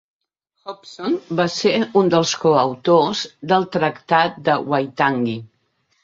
Hobson va ser un dels coautors del Tractat de Waitangi.